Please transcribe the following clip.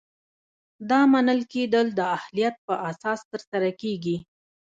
دا منل کیدل د اهلیت په اساس ترسره کیږي.